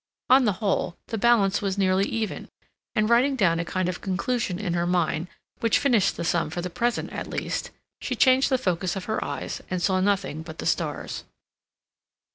On the whole, the balance was nearly even; and, writing down a kind of conclusion in her mind which finished the sum for the present, at least, she changed the focus of her eyes, and saw nothing but the stars.